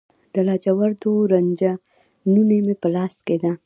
د لاجوردو رنجه نوني مې په لاس کې